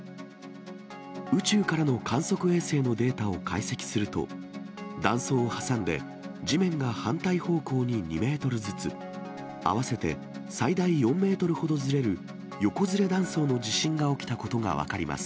宇宙からの観測衛星のデータを解析すると、断層を挟んで地面が反対方向に２メートルずつ、合わせて最大４メートルほどずれる、横ずれ断層の地震が起きたことが分かります。